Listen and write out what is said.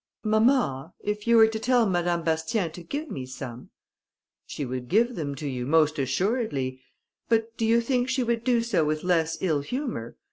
"Mamma, if you were to tell Madame Bastien to give me some?" "She would give them to you, most assuredly; but do you think she would do so with less ill humour?